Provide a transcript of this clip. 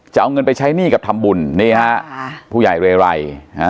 จะเอาเงินไปใช้หนี้กับทำบุญนี่ฮะผู้ใหญ่เรไร